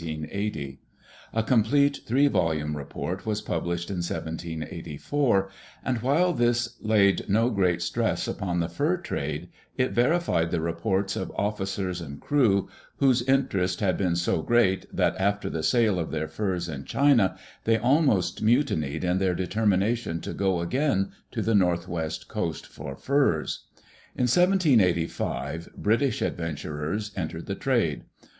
A complete three volume report was published in 1784, and while this laid no great stress upon the fur trade, it verified the reports of officers and crew, whose interest had been so great that after the sale of their furs in China they almost mutinied in their determination to go again to the Northwest Coast for furs. In 1785 British adventurers entered the trade.